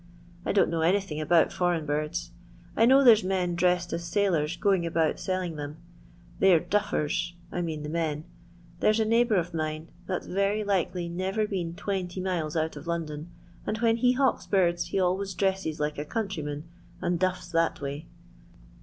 I don't know anything about foreign birds. I know there 's men dressed as sailors going about selling them ; they 're duffers — I mean the men. There 's a neighbour of mine, that 's very likely never been 20 miles out of London, and when he hawks birds he always dresses like a countryman, and duffii that way.